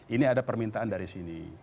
ini ada permintaan dari sini